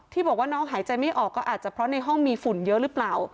บอกว่าน้องหายใจไม่ออกก็อาจจะเพราะในห้องมีฝุ่นเยอะหรือเปล่า